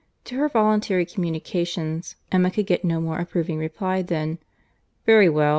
To her voluntary communications Emma could get no more approving reply, than, "Very well.